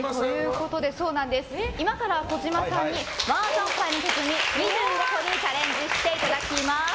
今から児嶋さんにマージャン牌の手積み２５個にチャレンジしていただきます。